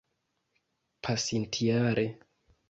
pasintjare